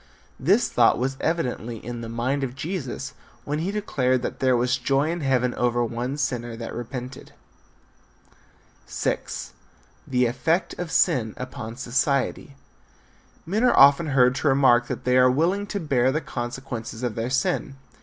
This thought was evidently in the mind of Jesus when be declared that there was joy in heaven over one sinner that repented. VI. THE EFFECT OF SIN UPON SOCIETY. Men are often heard to remark that they are willing to bear the consequences of their sin.